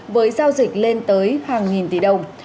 với giao dịch lên tới hàng nghìn tỷ đồng